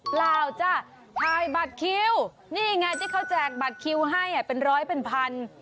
เปล่าจ้ะถ่ายบัตรคิวนี่ไงที่เขาแจกบัตรคิวให้เป็นร้อยเป็นพัน